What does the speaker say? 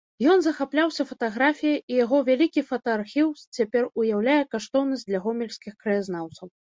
Ён захапляўся фатаграфіяй і яго вялікі фотаархіў цяпер уяўляе каштоўнасць для гомельскіх краязнаўцаў.